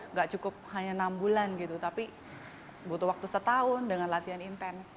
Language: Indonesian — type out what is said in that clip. nggak cukup hanya enam bulan gitu tapi butuh waktu setahun dengan latihan intens